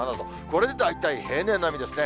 これで大体、平年並みですね。